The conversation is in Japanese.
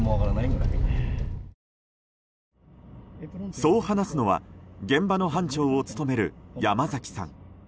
そう話すのは現場の班長を務める山崎さん。